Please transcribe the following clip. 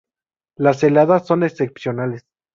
Las heladas son excepcionales.